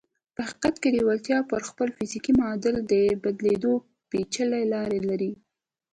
په حقیقت کې لېوالتیا پر خپل فزیکي معادل د بدلېدو پېچلې لارې لري